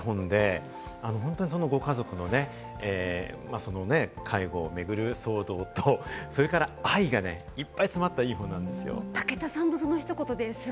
本当に良い本で、ご家族のね、介護を巡る騒動と、それから愛がね、いっぱい詰まったいい本なんですよ。